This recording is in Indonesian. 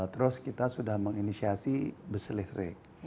terus kita sudah menginisiasi bus listrik